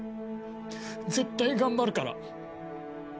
絶対頑張るから。